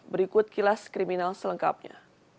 berikut kilas kriminal selengkapnya